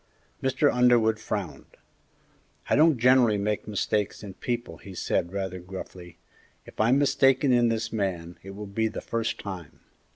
Mr. Underwood frowned. "I don't generally make mistakes in people," he said, rather gruffly; "if I'm mistaken in this man, it will be the first time."